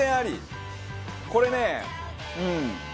これね。